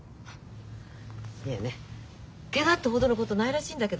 いえねケガってほどのことないらしいんだけどね。